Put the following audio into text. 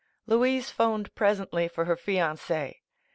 Louise phoned presently for her fiance.